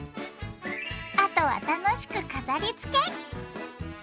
あとは楽しく飾りつけ！